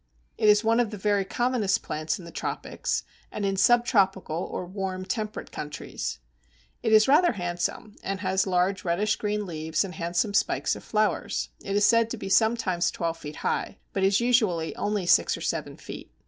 It is one of the very commonest plants in the tropics and in sub tropical or warm, temperate countries. It is rather handsome, and has large reddish green leaves and handsome spikes of flowers. It is said to be sometimes twelve feet high, but is usually only six or seven feet.